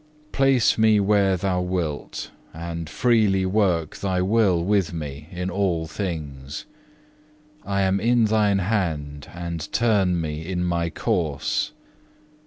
Place me where Thou wilt, and freely work Thy will with me in all things. I am in Thine hand, and turn me in my course.